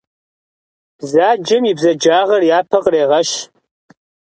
Бзаджэм и бзаджагъэр япэ кърегъэщ.